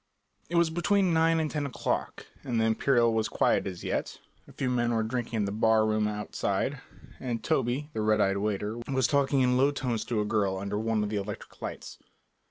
It was between nine and ten o'clock, and the Imperial was quiet as yet; a few men were drinking in the barroom outside, and Toby, the red eyed waiter, was talking in low tones to a girl under one of the electric lights.